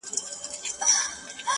کليوال راټولېږي شاوخوا ډېر خلک,